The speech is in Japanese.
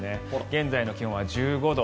現在の気温は１５度。